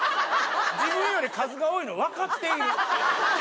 自分より数が多いの分かっている。